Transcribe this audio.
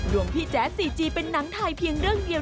พี่แจ๊สซีจีเป็นหนังไทยเพียงเรื่องเดียว